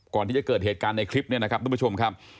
ก่อนที่จะเกิดเหตุการณ์ในคลิปนี้นะครับทุกผู้ชมครับ